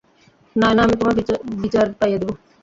নায়না, আমি তোমার বিচার পাইয়ে দিবো।